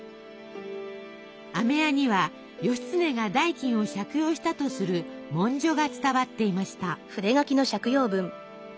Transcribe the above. あめ屋には義経が代金を借用したとする文書が伝わっていました。